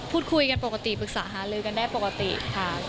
พูดคุยกันปกติปรึกษาหาลือกันได้ปกติค่ะ